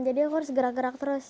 jadi aku harus gerak gerak terus